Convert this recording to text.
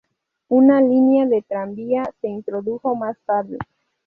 Una línea de tranvía se introdujo más tarde.